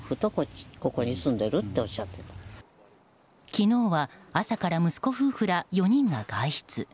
昨日は朝から息子夫婦ら４人が外出。